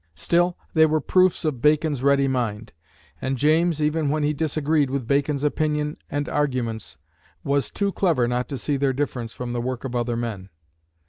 Still they were proofs of Bacon's ready mind; and James, even when he disagreed with Bacon's opinion and arguments, was too clever not to see their difference from the work of other men.